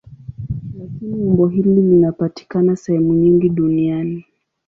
Lakini umbo hili linapatikana sehemu nyingi duniani.